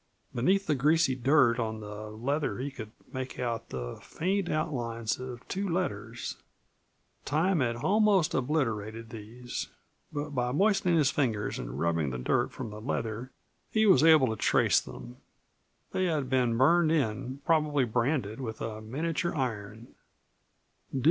Beneath the greasy dirt on the leather he could make out the faint outlines of two letters. Time had almost obliterated these, but by moistening his fingers and rubbing the dirt from the leather he was able to trace them. They had been burned in, probably branded with a miniature iron.